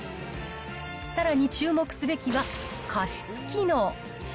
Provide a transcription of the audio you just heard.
さらに注目すべきは、加湿機能。